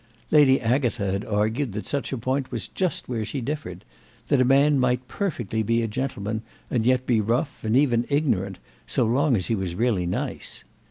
Lady Agatha had argued that such a point was just where she differed; that a man might perfectly be a gentleman and yet be rough, and even ignorant, so long as he was really nice.